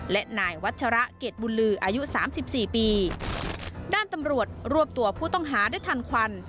และนายวัชระเกรดบุญลืออายุสามสิบสี่ปีด้านตำรวจรวบตัวผู้ต้องหาได้ทันควัน